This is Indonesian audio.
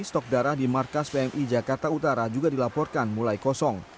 stok darah di markas pmi jakarta utara juga dilaporkan mulai kosong